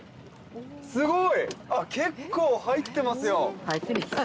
すごい！結構入ってますよ！